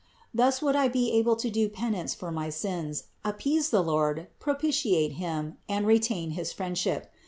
Thus would I be able to do penance for my sins, appease the Lord, pro pitiate Him, and retain his friendship.